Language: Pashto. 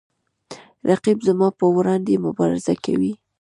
رقیب زما په وړاندې مبارزه کوي